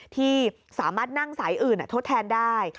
ที่สามารถนั่งสายอื่นทดแทนได้